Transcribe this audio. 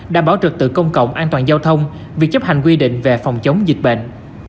đảm bảo trực tự công cộng an toàn giao thông việc chấp hành quy định về phòng chống dịch bệnh